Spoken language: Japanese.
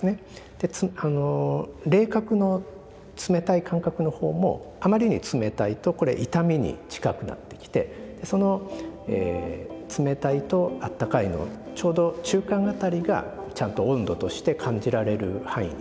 で冷覚の冷たい感覚のほうもあまりに冷たいとこれ痛みに近くなってきてその冷たいと温かいのちょうど中間辺りがちゃんと温度として感じられる範囲になるんですよね。